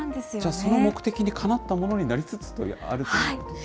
その目的にかなったものになりつつあるということですね。